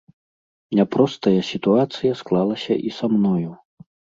Няпростая сітуацыя склалася і са мною.